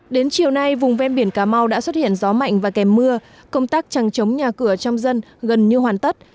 đến chiều nay vùng ven biển cà mau đã xuất hiện gió mạnh và kèm mưa công tác chẳng chống nhà cửa trong dân gần như hoàn tất